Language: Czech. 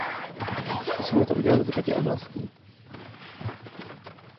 Musíme to udělat v řadě oblastí.